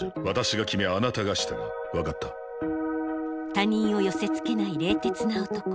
他人を寄せつけない冷徹な男。